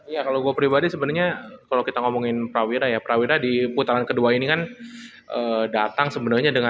ya kalo gue pribadi sebenernya kalo kita ngomongin prawira ya prawira di putaran kedua ini kan datang sebenernya dengan